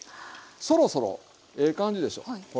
そろそろええ感じでしょほら。